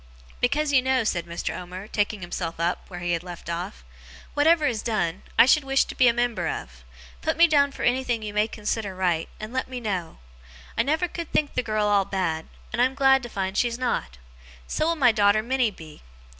'Because you know,' said Mr. Omer, taking himself up, where he had left off, 'whatever is done, I should wish to be a member of. Put me down for anything you may consider right, and let me know. I never could think the girl all bad, and I am glad to find she's not. So will my daughter Minnie be.